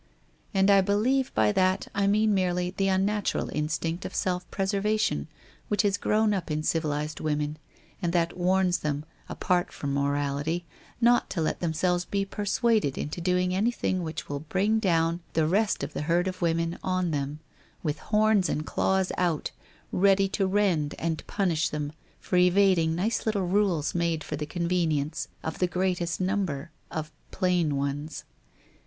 And I believe by that I mean merely the unnatural instinct of self preservation which has grown up in civilized women and that warns them, apart from morality, not to let themselves be persuaded into doing anything which will bring down the rest of the herd of women on them, with horns and claws out, ready to rend and punish them for evading nice little rules made for the convenience of the greatest number — of plain ones.